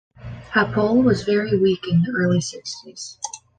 Hapoel was very weak in the early sixties.